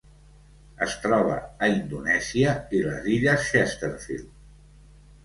Es troba a Indonèsia i les illes Chesterfield.